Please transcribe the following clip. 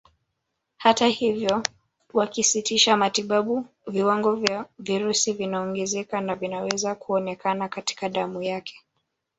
Hata hivyo wakisitisha matibabu viwango vya virusi vinaongezeka na vinaweza kuonekana katika damu yake